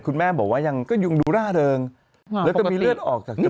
คุณแม่บอกว่ายังก็ยังดูร่าเริงแล้วก็มีเลือดออกจากตัว